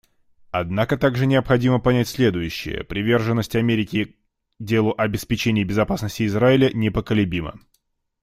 Однако также необходимо понять следующее: приверженность Америки делу обеспечения безопасности Израиля непоколебима.